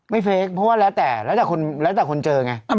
ไม่เฟกเพราะว่าแล้วแต่คนเจอไง